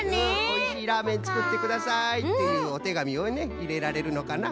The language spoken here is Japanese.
「おいしいラーメンつくってください」っていうおてがみをねいれられるのかな。